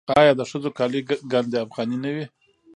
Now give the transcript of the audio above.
آیا د ښځو کالي ګنډ افغاني نه وي؟